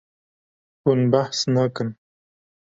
Hûn behs nakin.